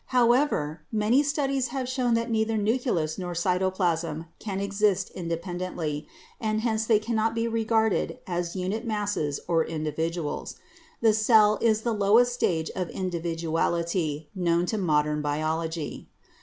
However, many studies have shown that neither nucleus nor cytoplasm can exist independently, and hence they can not be regarded as unit masses or individuals. The cell is the lowest stage of individuality known to modern biology.